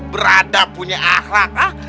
berada punya akhlak